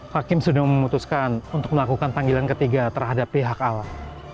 hakim sudah memutuskan untuk melakukan panggilan ketiga terhadap pihak alam